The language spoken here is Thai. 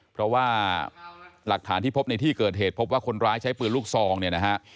เพราะว่าหลักฐานที่พบในที่เกิดเหตุพบว่าคนร้ายใช้ปืนลูกซองเนี่ยนะฮะ